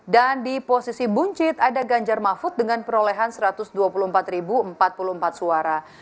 dan di posisi buncit ada ganjar mahfud dengan perolehan satu ratus dua puluh empat empat puluh empat suara